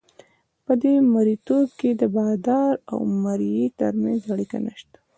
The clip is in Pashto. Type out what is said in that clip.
په دې مرییتوب کې د بادار او مریي ترمنځ اړیکه نشته.